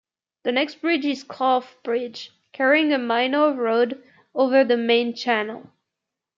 The next bridge is Clough's Bridge, carrying a minor road over the main channel.